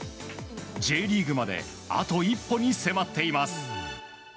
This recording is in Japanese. Ｊリーグまであと一歩に迫っています。